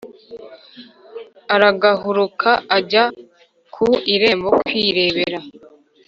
Aragahuruka ajya ku irembo kwirebera